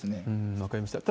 分かりました。